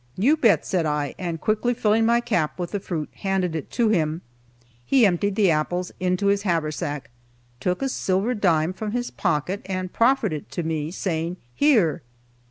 "You bet;" said I, and quickly filling my cap with the fruit, handed it to him. He emptied the apples in his haversack, took a silver dime from his pocket, and proffered it to me, saying, "Here."